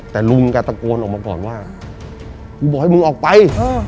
แต่ลุงแกตะโกนออกมาก่อนว่ากูบอกให้มึงออกไป